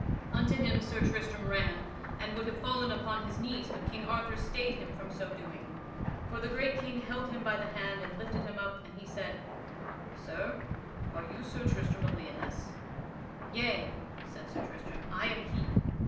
Unto him Sir Tristram ran, and would have fallen upon his knees, but King Arthur stayed him from so doing. For the great king held him by the hand and lifted him up, and he said, "Sir, are you Sir Tristram of Lyonesse?" "Yea," said Sir Tristram, "I am he."